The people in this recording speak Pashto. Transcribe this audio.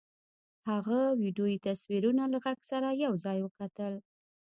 هغه ويډيويي تصويرونه له غږ سره يو ځای وکتل.